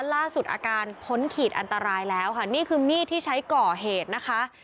ล่าสุดอาการพ้นขีดอันตรายแล้วค่ะนี่คือมีดที่ใช้ก่อเหตุนะคะ